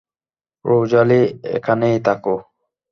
Rosalie, এখানেই থাকো!